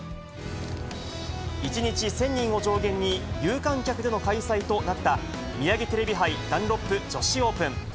１日１０００人を上限に、有観客での開催となった、ミヤギテレビ杯ダンロップ女子オープン。